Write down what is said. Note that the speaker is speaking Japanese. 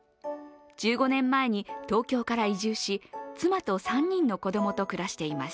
１５年前に東京から移住し妻と３人の子供と暮らしています。